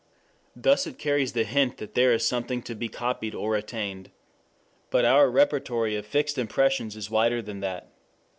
Thus it carries the hint that here is something to be copied or attained. But our repertory of fixed impressions is wider than that.